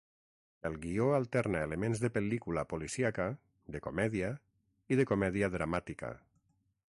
El guió alterna elements de pel·lícula policíaca, de comèdia, i de comèdia dramàtica.